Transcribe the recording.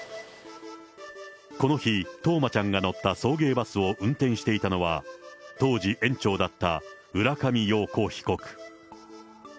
この日、冬生ちゃんが乗った送迎バスを運転していたのは、当時園長だった浦上陽子被告。